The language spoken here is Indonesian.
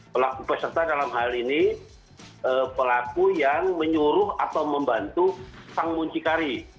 pelaku peserta dalam hal ini pelaku yang menyuruh atau membantu sang muncikari